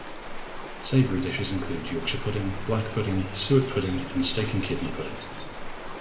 Savory dishes include Yorkshire pudding, black pudding, suet pudding and steak and kidney pudding.